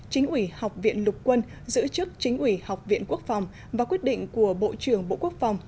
chính ủy học viện lục quân giữ chức chính ủy học viện quốc phòng và quyết định của bộ trưởng bộ quốc phòng